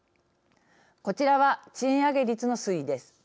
こちらは、賃上げ率の推移です。